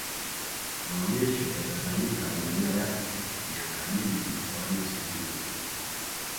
maonyesho yatafanyika maeneo ya nyakabindi mkoani simiyu